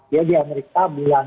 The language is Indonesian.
ya di amerika dua puluh enam dua